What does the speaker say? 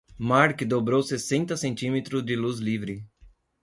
Marc dobrou sessenta centímetros de luz livre.